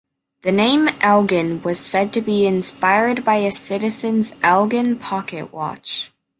The name Elgin was said to be inspired by a citizen's Elgin pocket watch.